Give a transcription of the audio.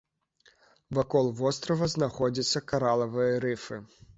Вакол вострава знаходзяцца каралавыя рыфы.